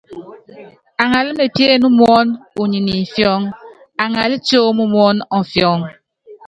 Aŋalá mepién muɔn uniɛ ni imfiɔ́ŋ, aŋalá tióm muɔ́n ɔmfiɔŋ.